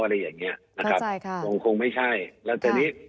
ได้คงไม่ใช่